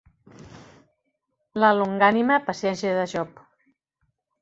La longànime paciència de Job.